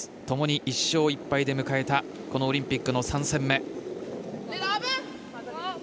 ともに１勝１敗で迎えたオリンピックの３戦目。